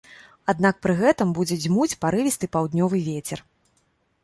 Аднак пры гэтым будзе дзьмуць парывісты паўднёвы вецер.